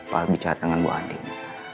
pak al bicara dengan bu andin